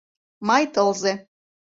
Май тылзе.